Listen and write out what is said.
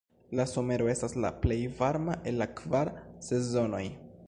La somero estas la plej varma el la kvar sezonoj.